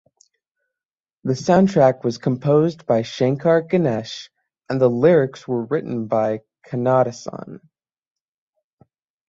The soundtrack was composed by Shankar–Ganesh and the lyrics were written by Kannadasan.